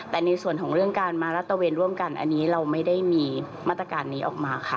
แต่ในส่วนของเรื่องการมารัตเวนร่วมกันอันนี้เราไม่ได้มีมาตรการนี้ออกมาค่ะ